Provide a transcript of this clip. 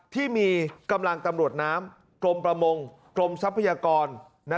ที่มีกำลังตำรวจน้ำกรมประมงกรมทรัพยากร